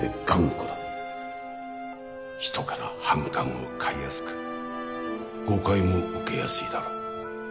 人から反感を買いやすく誤解も受けやすいだろう